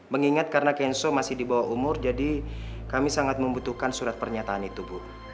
mengingat karena kenso masih di bawah umur jadi kami sangat membutuhkan surat pernyataan itu bu